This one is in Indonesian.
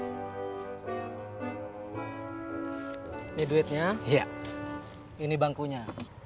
hai ini duitnya iya ini bangkunya ini bangkunya